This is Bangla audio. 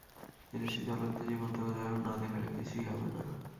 এদেশে জ্বলন্ত জীবন্ত উদাহরণ না দেখালে কিছুই হবে না।